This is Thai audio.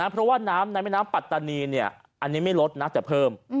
เพราะว่าน้ำในแม่น้ำปัตตานีอันนี้ไม่ลดนะแต่เพิ่ม